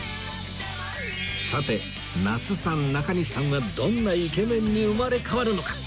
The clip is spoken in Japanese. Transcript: さて那須さん中西さんはどんなイケメンに生まれ変わるのか？